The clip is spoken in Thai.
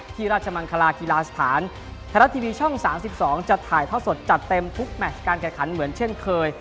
ที่ราชมันคลากีฬาสถานธนาทีวีช่องสามสิบสองจะถ่ายเพราะสดจัดเต็มทุกแมทการแข่งขันเหมือนเช่นเคย